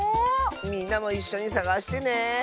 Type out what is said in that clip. みんなもいっしょにさがしてね！